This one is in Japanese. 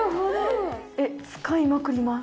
使いまくります。